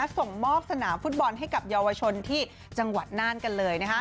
ส่งมอบสนามฟุตบอลให้กับเยาวชนที่จังหวัดน่านกันเลย